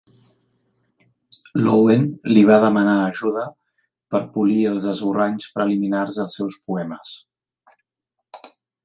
L'Owen li va demanar ajuda per polir els esborranys preliminars dels seus poemes.